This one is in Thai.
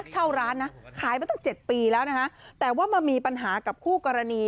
เช่าร้านนะขายมาตั้ง๗ปีแล้วนะคะแต่ว่ามามีปัญหากับคู่กรณี